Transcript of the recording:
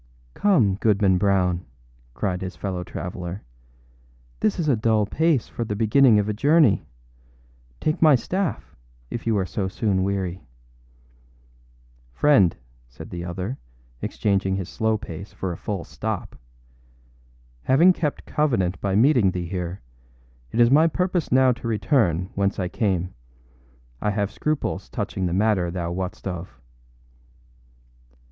âCome, Goodman Brown,â cried his fellow traveller, âthis is a dull pace for the beginning of a journey. Take my staff, if you are so soon weary.â âFriend,â said the other, exchanging his slow pace for a full stop, âhaving kept covenant by meeting thee here, it is my purpose now to return whence I came. I have scruples touching the matter thou wotâst of.